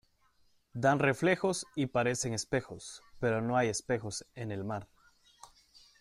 dan reflejos y parecen espejos, pero no hay espejos en el mar.